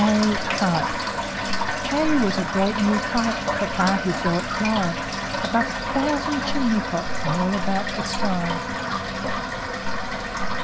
K K was a great new Kite; Papa he saw it fly Above a thousand chimney pots, And all about the sky.